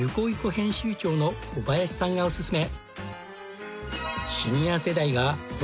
編集長の小林さんがオススメ！